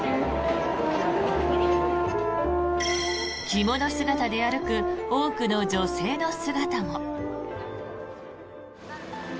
着物姿で歩く多くの女性の姿も。